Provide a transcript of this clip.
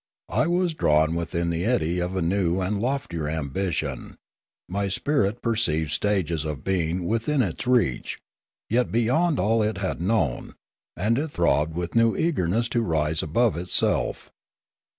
I was drawn 148 Limanora within the eddy of a new and loftier ambition; my spirit perceived stages of being within its reach, yet beyond all it had known; and it throbbed with new eagerness to rise above itself.